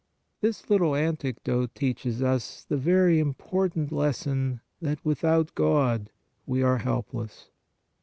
This little anecdote teaches us the very important lesson that without God we are helpless.